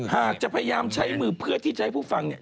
หากจะพยายามใช้มือเพื่อที่จะให้ผู้ฟังเนี่ย